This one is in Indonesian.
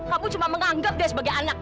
aku cuma menganggap dia sebagai anak